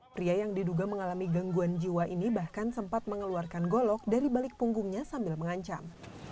pria yang diduga mengalami gangguan jiwa ini bahkan sempat mengeluarkan golok dari balik punggungnya sambil mengancam